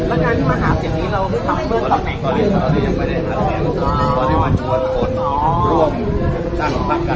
แล้วผมก็ไม่เสร็จเจ้าของของไม่เสร็จไป